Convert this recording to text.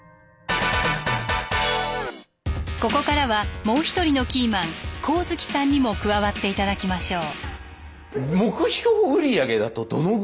ここからはもう一人のキーマン上月さんにも加わっていただきましょう。